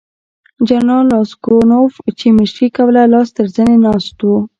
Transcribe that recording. جنرال راسګونوف یې مشري کوله لاس تر زنې ناست وو.